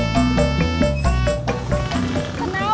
ih anak kecil so tau